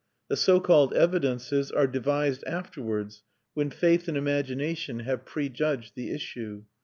The so called evidences are devised afterwards, when faith and imagination have prejudged the issue.